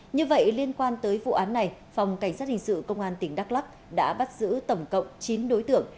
như vậy liên quan tới vụ án này phòng cảnh sát hình sự công an tỉnh đắk lắc đã bắt giữ tổng cộng chín đối tượng